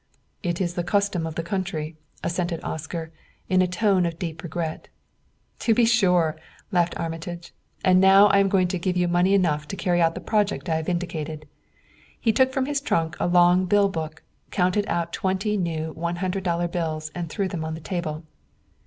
"It is the custom of the country," assented Oscar, in a tone of deep regret. "To be sure," laughed Armitage; "and now I am going to give you money enough to carry out the project I have indicated." He took from his trunk a long bill book, counted out twenty new one hundred dollar bills and threw them on the table.